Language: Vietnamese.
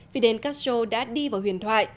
fidel castro đã đi vào huyền thoại